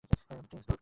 Drink, ধুর!